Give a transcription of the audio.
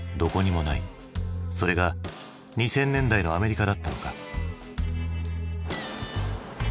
それが２０００年代のアメリカだったのか。